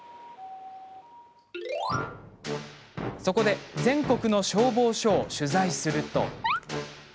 そこで全国の消防署を取材すると。